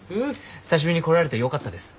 久しぶりに来られてよかったです。